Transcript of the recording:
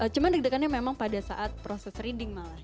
cuma deg degannya memang pada saat proses reading malah